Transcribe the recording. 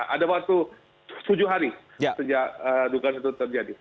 ada waktu tujuh hari sejak dugaan itu terjadi